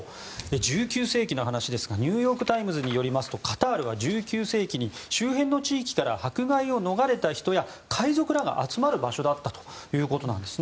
１９世紀の話ですがニューヨーク・タイムズによりますとカタールは１９世紀に周辺の地域から迫害を逃れた人や海賊らが集まる場所だったということです。